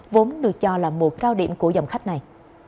vốn được cho là mùa cao điểm của dòng khách này